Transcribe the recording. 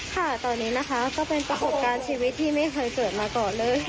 ค่ะตอนนี้นะคะก็เป็นประสบการณ์ชีวิตที่ไม่เคยเกิดมาก่อนเลย